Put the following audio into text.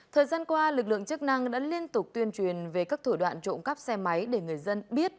thời gian qua lực lượng chức năng đã liên tục tuyên truyền về các thủ đoạn trộm cắp xe máy để người dân biết